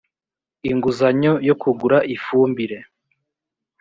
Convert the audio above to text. inguzanyo yo kugura ifumbire